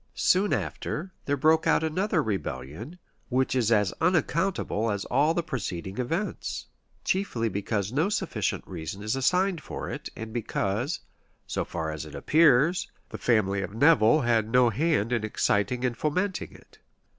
} Soon after, there broke out another rebellion, which is as unaccountable as all the preceding events; chiefly because no sufficient reason is assigned for it, and because, so far as appears, the family of Nevil had no hand in exciting and fomenting it.